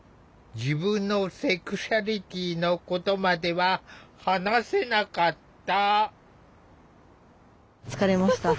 自分のセクシュアリティーのことまでは話せなかった。